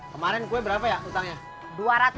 kemaren kue berapa ya hutangnya